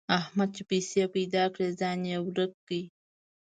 احمد چې پیسې پيدا کړې؛ ځان يې ورک کړ.